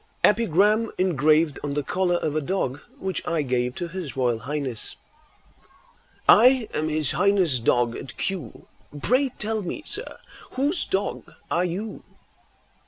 EPIGRAM, ENGRAVED ON THE COLLAR OF A DOG WHICH I GAVE TO HIS ROYAL HIGHNESS. I am His Highness' dog at Kew; Pray tell me, sir, whose dog are you?